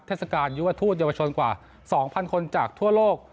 เทศกาลยุวทูตเยาวชนกว่า๒๐๐คนจากทั่วโลก